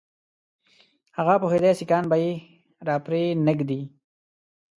هغه پوهېدی سیکهان به یې را پرې نه ږدي.